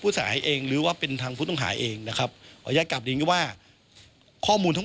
เบื้องต้นก็เป็นลักษณะของการต่อลอง